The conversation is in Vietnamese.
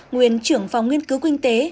nguyên trưởng phòng nghiên cứu kinh tế